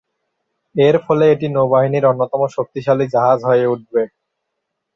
এর ফলে এটি নৌবাহিনীর অন্যতম শক্তিশালী জাহাজ হয়ে উঠবে।